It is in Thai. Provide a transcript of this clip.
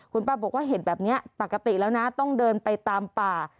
คุณป้าบอกว่าเห็นแบบนี้ปกติแล้วนะต้องเดินไปตามป่า